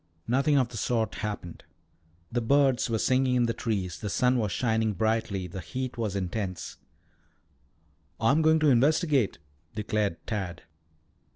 Nothing of the sort happened. The birds were singing in the trees, the sun was shining brightly, the heat was intense. "I'm going to investigate," declared Tad.